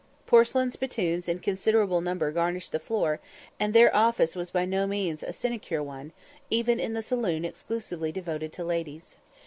Porcelain spittoons in considerable numbers garnished the floor, and their office was by no means a sinecure one, even in the saloon exclusively devoted to ladies.